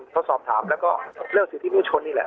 เขาสอบถามแล้วก็เลือกสิทธิผู้ชนอีกแหละ